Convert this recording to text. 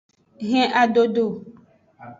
Hen adodo.